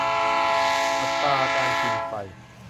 อัตราการกินไฟ